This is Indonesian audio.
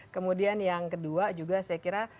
kemudian yang kedua juga saya kira